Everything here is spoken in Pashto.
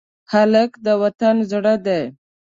هلک د وطن زړه دی.